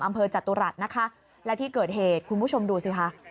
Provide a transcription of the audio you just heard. จตุรัสนะคะและที่เกิดเหตุคุณผู้ชมดูสิคะ